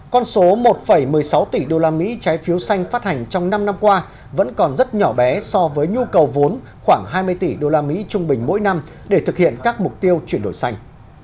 con số một một mươi sáu tỷ usd trái phiếu xanh phát hành trong năm năm qua vẫn còn rất nhỏ bé so với nhu cầu vốn khoảng hai mươi tỷ usd trung bình mỗi năm để thực hiện các mục tiêu chuyển đổi xanh